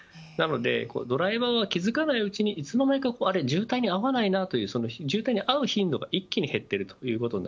ドライバーが気づかないうちにいつの間にか渋滞に合わないなあ、という渋滞に合う頻度が一気に減っています。